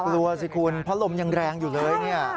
กลัวสิคุณเพราะลมยังแรงอยู่เลยเนี่ย